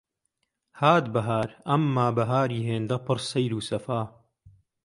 هات بەهار، ئەمما بەهاری هێندە پڕ سەیر و سەفا